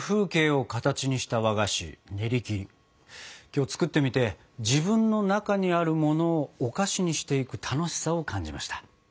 今日作ってみて自分の中にあるものをお菓子にしていく楽しさを感じました。